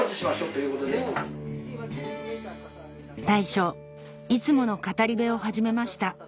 大将いつもの語り部を始めました